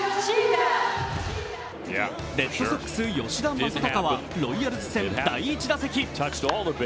レッドソックス・吉田正尚はロイヤルズ戦第１打席。